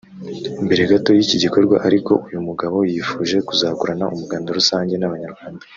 mbere gato y’iki gikorwa ariko uyu mugabo yifuje kuzakorana umuganda rusange n’abanyarwanda